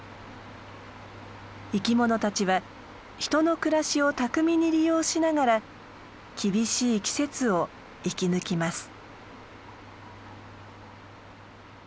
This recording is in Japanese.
生きものたちは人の暮らしを巧みに利用しながら厳しい季節を生き抜きます。